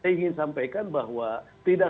ingin sampaikan bahwa tidak